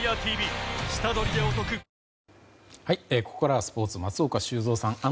ここからはスポーツ松岡修造さん